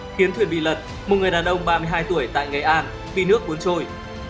khiến thuyền bị lật một người đàn ông ba mươi hai tuổi tại ngày an vì nước buôn trôi